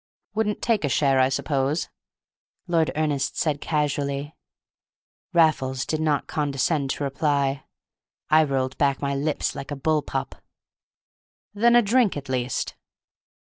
"Wouldn't take a share, I suppose?" Lord Ernest said casually. Raffles did not condescend to reply. I rolled back my lips like a bull pup. "Then a drink, at least!"